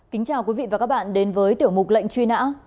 kính chào quý vị và các bạn đến với tiểu mục lệnh truy nã